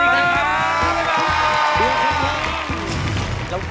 บ๊ายบาย